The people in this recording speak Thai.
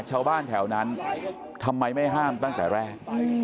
ชาวบ้านแถวนั้นทำไมไม่ห้ามตั้งแต่แรก